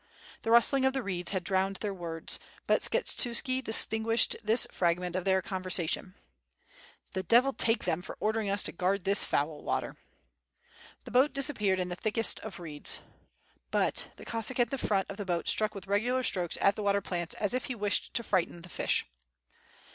The rustling of the reeds had drowned their words, but Skshetuski distinguished this fragment of their conversation: "The devil take them for ordering us to guard this foul water." The boat disappeared in the thicket of reeds. But the Cossack in the front of the boat struck with regular strokes at the water plants as if he wished to frighten the fish.